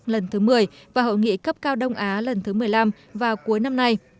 lần thứ một mươi và hội nghị cấp cao đông á lần thứ một mươi năm vào cuối năm nay